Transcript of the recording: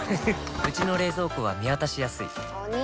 うちの冷蔵庫は見渡しやすいお兄！